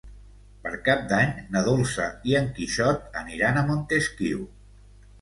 Per Cap d'Any na Dolça i en Quixot aniran a Montesquiu.